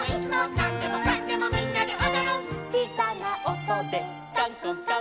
「なんでもかんでもみんなでおどる」「ちいさなおとでかんこんかん」